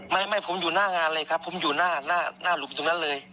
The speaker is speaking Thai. ไม่ไม่ผมอยู่หน้างานเลยครับผมอยู่หน้าหน้าหลุบตรงนั้นเลย